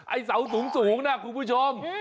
ไอเสาสูงนะคุณผู้ชม